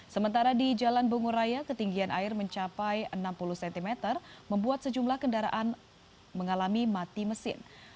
sementara di jalan bunguraya ketinggian air mencapai enam puluh cm membuat sejumlah kendaraan mengalami mati mesin